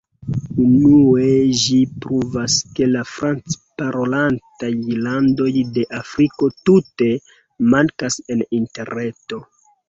Unue, ĝi pruvas ke la franc-parolantaj landoj de Afriko tute mankas en Interreto.